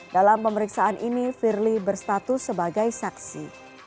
dalam pemeriksaan ini firly berstatus sebagai saksi